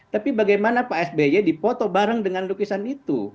tapi bagaimana pak sby dipoto bareng dengan lukisan itu